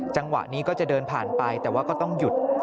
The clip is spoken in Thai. จังหวะนี้ก็จะเดินผ่านไปแต่ว่าก็ต้องหยุด